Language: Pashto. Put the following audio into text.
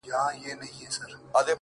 o يوه نه.دوې نه.څو دعاوي وكړو.